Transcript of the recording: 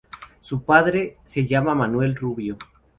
Su padre se llama Manuel Rubio.